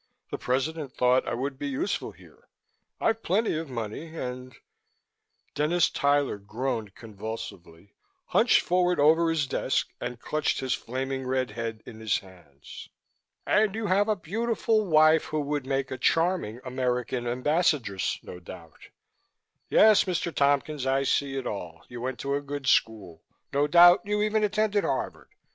The President thought I would be useful here. I've plenty of money and " Dennis Tyler groaned convulsively, hunched forward over his desk and clutched his flaming red head in his hands. " and you have a beautiful wife who would make a charming American Ambassadress, no doubt: Yes, Mr. Tompkins, I see it all. You went to a good school, no doubt you even attended Harvard.